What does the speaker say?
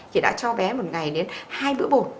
thì đã cho bé một ngày đến hai bữa bột